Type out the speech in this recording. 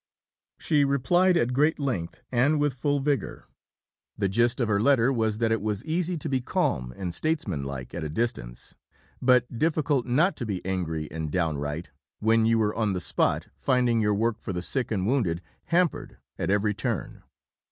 She replied at great length and with full vigour. The gist of her letter was that it was easy to be calm and "statesmanlike" at a distance, but difficult not to be angry and downright when you were on the spot finding your work for the sick and wounded hampered at every turn.